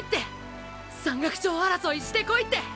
山岳賞争いしてこいって！！